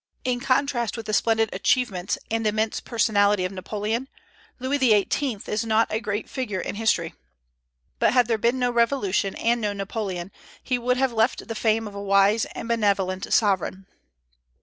In contrast with the splendid achievements and immense personality of Napoleon, Louis XVIII. is not a great figure in history; but had there been no Revolution and no Napoleon, he would have left the fame of a wise and benevolent sovereign.